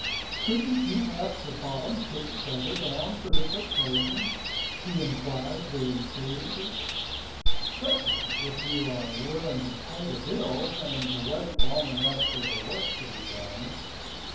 "Couldn't you have the bottom put farther down for this occasion?" he inquired very seriously. "Certainly, if you are willing to pay the bills and to wait long enough for the work to be done."